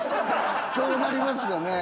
そうなりますよね。